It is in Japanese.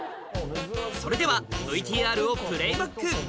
それではＶＴＲをプレーバック